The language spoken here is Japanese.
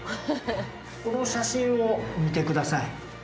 この写真を見てください。